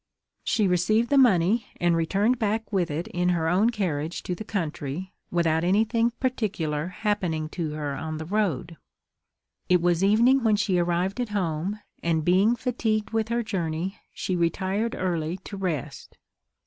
She received the money, and returned back with it in her own carriage to the country, without anything particular happening to her on the road. It was evening when she arrived at home; and being fatigued with her journey, she retired early to rest.